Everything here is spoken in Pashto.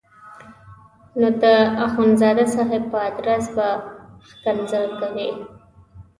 نو د اخندزاده صاحب په ادرس به ښکنځل کوي.